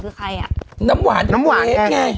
โอ้ยไม่ตาย